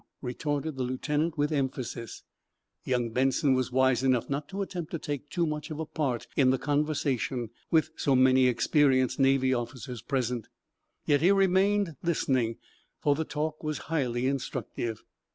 retorted the lieutenant, with emphasis. Young Benson was wise enough not to attempt to take too much of a part in the conversation with so many experienced naval officers present. Yet he remained, listening, for the talk was highly instructive.